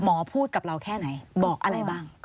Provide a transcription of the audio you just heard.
พูดกับเราแค่ไหนบอกอะไรบ้าง